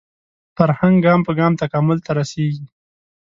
فرهنګ ګام په ګام تکامل ته رسېږي